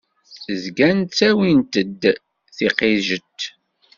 Zgan ttawin-t d tiqiǧet.